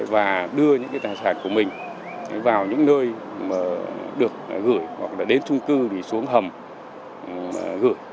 và đưa những cái tài sản của mình vào những nơi mà được gửi hoặc là đến trung cư thì xuống hầm gửi